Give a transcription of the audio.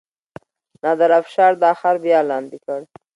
نادر افشار دا ښار بیا لاندې کړ.